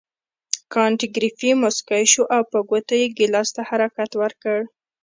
کانت ګریفي مسکی شو او په ګوتو یې ګیلاس ته حرکت ورکړ.